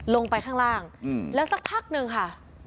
ลงไปข้างล่างแล้วสักพักนึงค่ะ